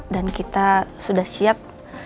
dan kita sudah siap